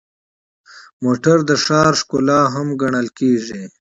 موټر د ښار ښکلا هم ګڼل کېږي.